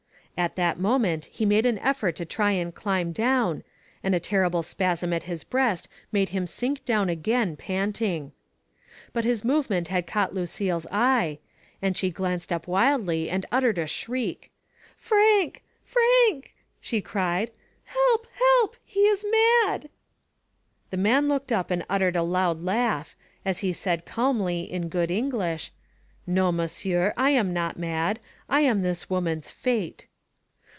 At that moment he made an effort to try and climb down, and a terrible spasm at his breast made him sink down again, panting. But his movement had caught Lucille's eye, and she glanced up wildly and uttered a shriek. "Frank! Frank!" she cried; "help, help, he is mad." The man looked up and uttered a loud laugh, as he said calmly, in good English : "No, monsieur, I am not mad. I am this woman's fate."